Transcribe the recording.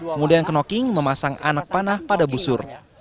kemudian knocking memasang anak panah pada busur